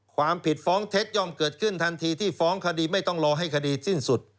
ความผิดฟ้องเท็จย่อมเกิดขึ้นทันทีที่ฟ้องคดีไม่ต้องรอให้คดีสิ้นสุด